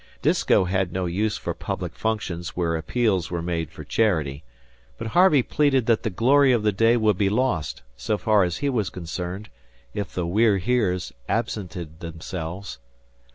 Disko had no use for public functions where appeals were made for charity, but Harvey pleaded that the glory of the day would be lost, so far as he was concerned, if the We're Heres absented themselves.